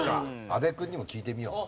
阿部君にも聞いてみよう。